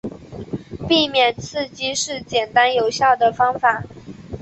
避免刺激是简单有效的方法。